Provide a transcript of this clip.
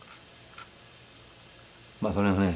まあそれはね